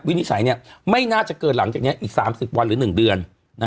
นิสัยไม่น่าจะเกินหลังจากนี้อีก๓๐วันหรือ๑เดือน